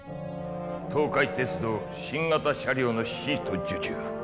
東海鉄道新型車両のシート受注